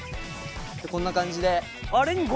こんな感じで。